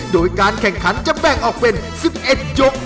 โดยการแข่งขันจะแบ่งออกเป็น๑๑ยก